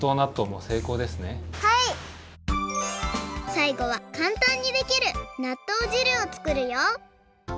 さいごはかんたんにできるなっとう汁を作るよ！